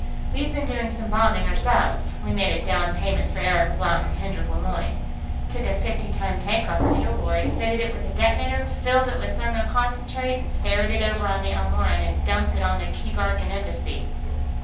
We've been doing some bombing, ourselves; we made a down payment for Eric Blount and Hendrik Lemoyne. Took a fifty ton tank off a fuel lorry, fitted it with a detonator, filled it with thermoconcentrate, and ferried it over on the Elmoran and dumped it on the Keegarkan Embassy.